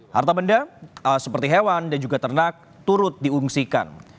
harta benda seperti hewan dan juga ternak turut diungsikan